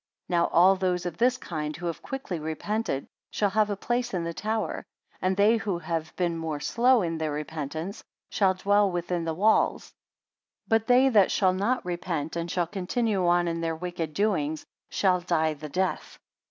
59 Now all those of this kind who have quickly repented, shall have a place in the tower; and they who have been more slow in their repentance, shall dwell within the walls: but they that shall not repent, and shall continue on in their wicked doings, shall die the death.